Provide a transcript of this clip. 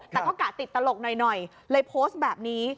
แต่ก็กะติดตลกหน่อยเลยโพสต์แบบนี้